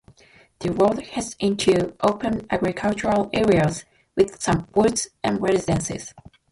The road heads into open agricultural areas with some woods and residences.